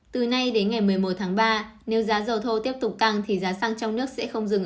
từ nay đến ngày một mươi một tháng ba nếu giá dầu thô tiếp tục tăng thì giá xăng trong nước sẽ không dừng